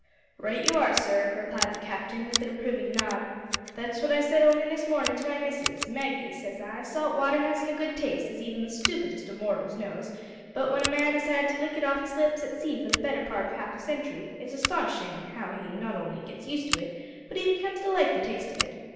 "Right you are, sir," replied the Captain, with an approving nod. "That's what I said only this mornin' to my missus. `Maggie,' says I, `salt water hasn't a good taste, as even the stoopidest of mortals knows, but w'en a man has had to lick it off his lips at sea for the better part of half a century, it's astonishin' how he not only gits used to it, but even comes to like the taste of it.'